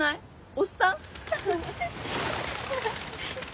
おっさん。